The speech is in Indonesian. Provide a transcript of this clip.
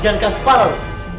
jangan kasih parah lu